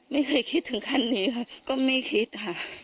ไม่เคยคิดถึงขั้นนี้ค่ะก็ไม่คิดค่ะ